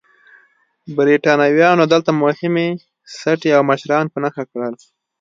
برېټانویانو دلته مهمې سټې او مشران په نښه کړل.